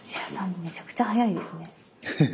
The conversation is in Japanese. めちゃくちゃ速いですね。